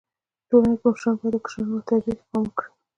ټولنه کي مشران بايد د کشرانو و تربيي ته پام وکړي.